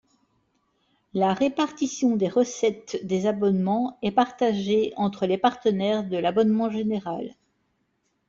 La répartition des recettes des abonnements est partagée entre les partenaires de l'abonnement général.